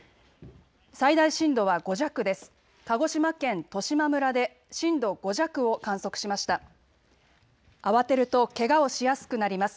最大震度は５弱です。